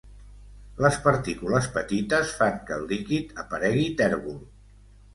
Les partícules petites fan que el líquid aparegui tèrbol.